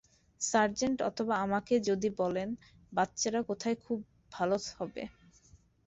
Sergeant অথবা আমাকেও যদি বলেন বাচ্চারা কোথায় খুব ভালো হবে।